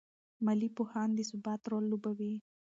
مالي پوهان د ثبات رول لوبوي.